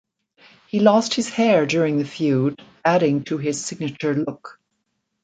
He lost his hair during the feud, adding to his signature look.